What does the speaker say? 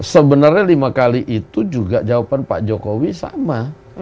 sebenarnya lima kali itu juga jawaban pak jokowi sama